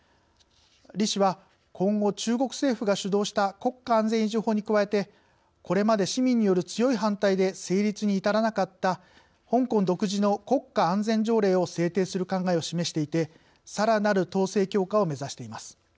李氏は今後中国政府が主導した国家安全維持法に加えてこれまで市民による強い反対で成立に至らなかった香港独自の国家安全条例を制定する考えを示していてさらなる統制強化を目指しています。